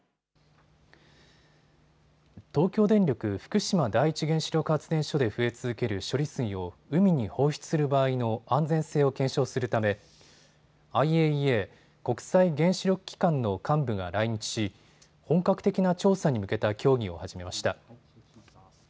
東京電力福島第一原子力発電所で増え続ける処理水を海に放出する場合の安全性を検証するためＩＡＥＡ・国際原子力機関の幹部が来日し本格的な調査に向けた協議を始めました。